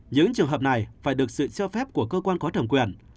những trường hợp này phải được sự cho phép của cơ quan có thẩm quyền